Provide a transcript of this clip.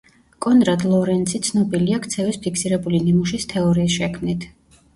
კონრად ლორენცი ცნობილია ქცევის ფიქსირებული ნიმუშის თეორიის შექმნით.